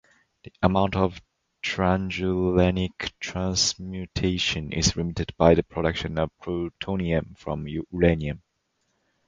The amount of transuranic transmutation is limited by the production of plutonium from uranium.